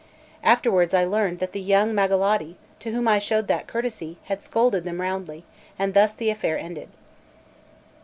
Afterwards I learned that the young Magalotti, to whom I showed that courtesy, had scolded them roundly; and thus the affair ended.